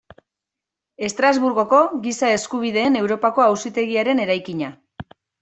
Estrasburgoko Giza Eskubideen Europako Auzitegiaren eraikina.